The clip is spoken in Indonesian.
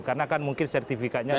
karena kan mungkin sertifikatnya dari